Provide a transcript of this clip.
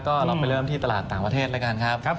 ก็เราไปเริ่มที่ตลาดต่างประเทศแล้วกันครับ